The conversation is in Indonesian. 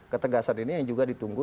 ketegasan ini yang juga ditunggu